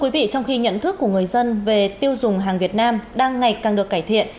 trong khi nhận thức của người dân về tiêu dùng hàng việt nam đang ngày càng được cải thiện